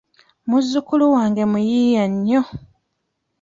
Muzukulu wange muyiiya nnyo.